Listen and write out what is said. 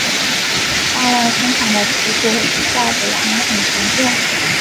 大量生产的啤酒在北韩很常见。